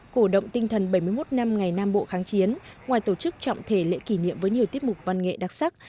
cổ động tinh thần bảy mươi một năm ngày nam bộ kháng chiến ngoài tổ chức trọng thể lễ kỷ niệm với nhiều tiết mục văn nghệ đặc sắc